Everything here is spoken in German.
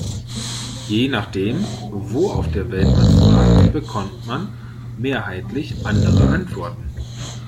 Je nachdem, wo auf der Welt man fragt, bekommt man mehrheitlich andere Antworten.